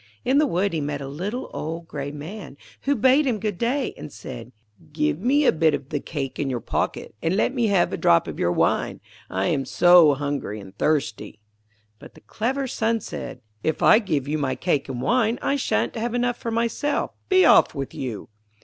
In the wood he met a little, old, grey Man, who bade him good day, and said, 'Give me a bit of the cake in your pocket, and let me have a drop of your wine. I am so hungry and thirsty.' But the clever son said: 'If I give you my cake and wine, I shan't have enough for myself. Be off with you.'